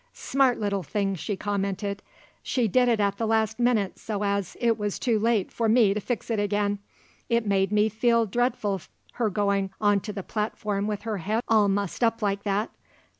"Smart little thing," she commented. "She did it the last minute so as it was too late for me to fix it again. It made me feel dreadful her going on to the platform with her head all mussed up like that.